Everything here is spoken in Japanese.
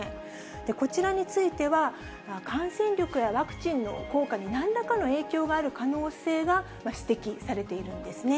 こちらについては、感染力やワクチンの効果になんらかの影響がある可能性が指摘されているんですね。